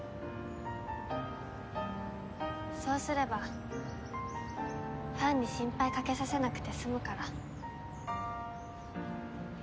そうすればファンに心配かけさせなくて済むから。